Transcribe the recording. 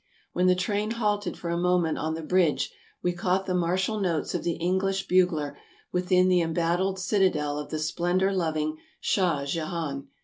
When the train halted for a moment on the bridge, we caught the martial notes of the English bugler within the embattled citadel of the splendor loving Shah Jehan.